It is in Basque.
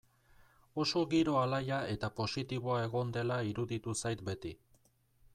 Oso giro alaia eta positiboa egon dela iruditu zait beti.